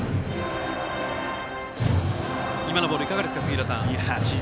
今のボール、いかがですか杉浦さん。